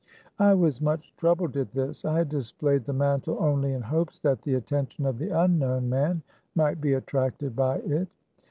I was much troubled at this. I had displayed the mantle only in hopes that the attention of the unknown man might be attracted by it.